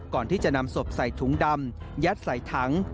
ก่อนที่จะนำศพใส่ถุงดำยัดใส่ถัง